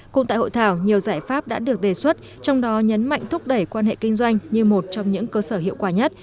cùng tại hội thảo nhiều giải pháp đã được đề xuất trong đó nhấn mạnh thúc đẩy quan hệ kinh doanh như một trong những cơ sở hiệu quả nhất